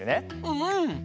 うん。